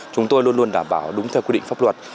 chúng tôi luôn luôn đảm bảo đúng theo quy định pháp luật